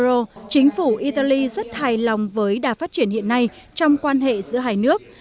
theo ông olivero chính phủ italy rất hài lòng với đà phát triển hiện nay trong quan hệ giữa hai nước